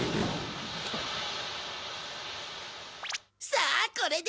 さあこれで。